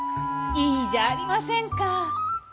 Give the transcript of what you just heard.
いいじゃありませんか。